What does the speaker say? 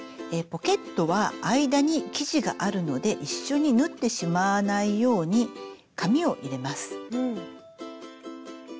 ポケットは間に生地があるので一緒に縫ってしまわないように紙を入れます。